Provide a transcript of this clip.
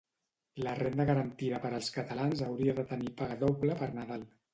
La renda garantida per als catalans hauria de tenir paga doble per Nadal.